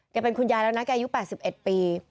เป็นคุณยายแล้วนะแกอายุ๘๑ปี